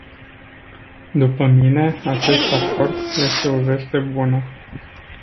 După mine, acest acord este o veste bună.